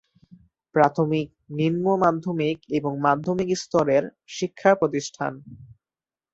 প্রাথমিক, নিম্ন-মাধ্যমিক এবং মাধ্যমিক স্তরের শিক্ষা প্রতিষ্ঠান।